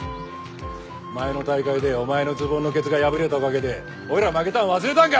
前の大会でお前のズボンのケツが破れたおかげで俺ら負けたの忘れたんか！